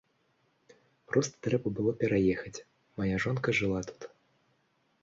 Проста трэба было пераехаць, мая жонка жыла тут.